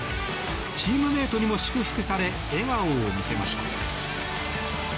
チームメートにも祝福され笑顔を見せました。